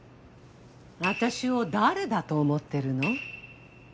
あたしを誰だと思ってるの？